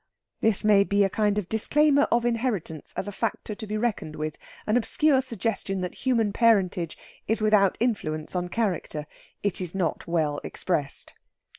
This may be a kind of disclaimer of inheritance as a factor to be reckoned with, an obscure suggestion that human parentage is without influence on character. It is not well expressed.